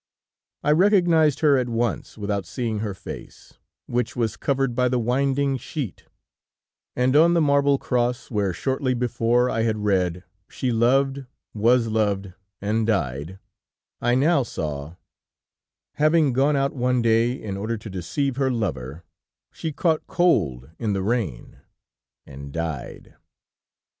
I recognized her at once, without seeing her face, which was covered by the winding sheet, and on the marble cross, where shortly before I had read: 'She loved, was loved, and died,' I now saw: '_Having gone out one day, in order to deceive her lover, she caught cold in the rain and died.